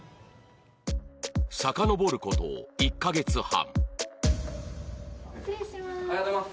さかのぼること１か月半。